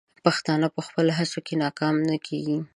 پښتانه په خپلو هڅو کې ناکام نه کیږي.